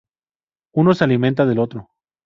Uno se alimenta del otro.